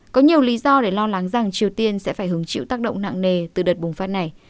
có nhiều lý do để lo lắng rằng triều tiên sẽ phải hứng chịu tác động nặng nề từ đợt bùng phát này